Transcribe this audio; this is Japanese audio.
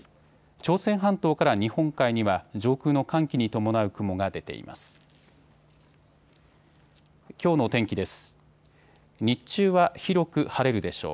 朝鮮半島から日本海には上空の寒気に伴う雲が出ています。